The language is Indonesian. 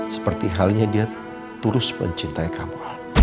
seperti halnya dia turus mencintai kamu